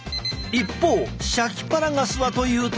一方シャキパラガスはというと。